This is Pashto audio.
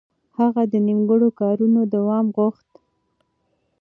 هغه د نيمګړو کارونو دوام غوښت.